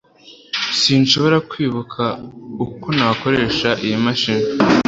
Sinshobora kwibuka uko nakoresha iyi mashini